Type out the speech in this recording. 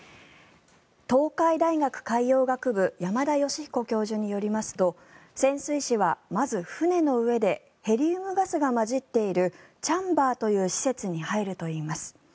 東海大学海洋学部山田吉彦教授によりますと潜水士はまず船の上でヘリウムガスが混じっているチャンバーという施設に入るといいます。